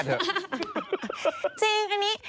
จริงอันนี้